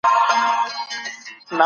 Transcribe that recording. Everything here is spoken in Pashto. د لمریزي برېښنا کارول څنګه دي؟